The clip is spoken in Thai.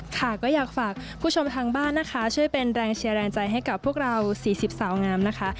ค่ะก็อยากฝากผู้ชมทางบ้านนะคะช่วยเป็นแรงเชียร์แรงใจให้กับพวกเรา๔๐สาวงามนะคะ